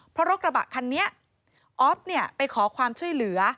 เพราะรถกระบะคันนี้ออฟเนี่ยไปขอความช่วยเหลือ